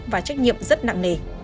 và trách nhiệm rất nặng nề